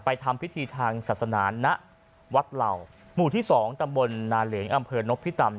ทำพิธีทางศาสนาณวัดเหล่าหมู่ที่๒ตำบลนาเหลงอำเภอนพิตำ